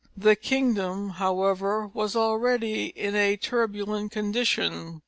The kingdom, however, was already in a turbulent condition.